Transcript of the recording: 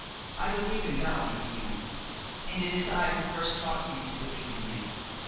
I believe in God, Indiana, and it was I who first taught you to believe in Him.